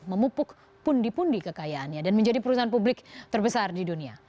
memupuk pundi pundi kekayaannya dan menjadi perusahaan publik terbesar di dunia